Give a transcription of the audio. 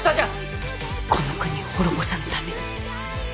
この国を滅ぼさぬために。